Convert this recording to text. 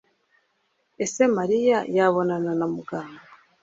ese Mariya yabonana na muganga.